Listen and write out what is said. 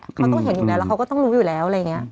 เขาต้องเห็นอยู่แล้วแล้วเขาก็ต้องรู้อยู่แล้วอะไรอย่างนี้